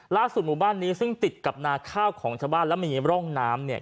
หมู่บ้านนี้ซึ่งติดกับนาข้าวของชาวบ้านแล้วมีร่องน้ำเนี่ย